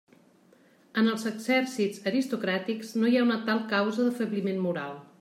En els exèrcits aristocràtics no hi ha una tal causa d'afebliment moral.